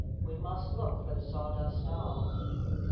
We must look for the Saw dust Doll."